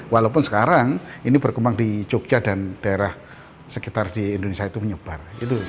walaupun sekarang ini berkembang di jogja dan daerah sekitar di indonesia itu menyebar